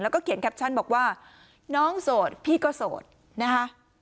แล้วก็เขียนแคปชั่นบอกว่าน้องโสดพี่ก็โสดนะคะ